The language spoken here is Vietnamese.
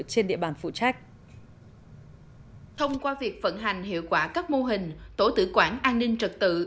trên địa bàn phụ trách thông qua việc phận hành hiệu quả các mô hình tổ tử quản an ninh trật tự